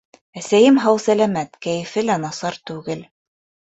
Әсәйем һау-сәләмәт, кәйефе лә насар түгел.